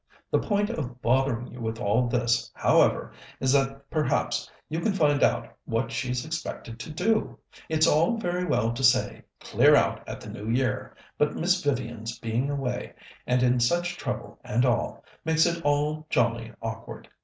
The point of bothering you with all this, however, is that perhaps you can find out what she's expected to do. It's all very well to say, 'Clear out at the New Year,' but Miss Vivian's being away, and in such trouble and all, makes it all jolly awkward.